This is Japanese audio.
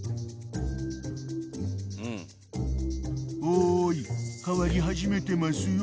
［おい変わり始めてますよ］